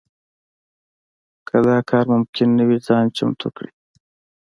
که دا کار ممکن نه وي ځان چمتو کړي.